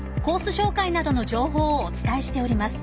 紹介などの情報をお伝えしております。